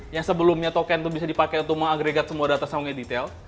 yang sebelumnya token itu bisa dipakai untuk mengagregat semua data semuanya detail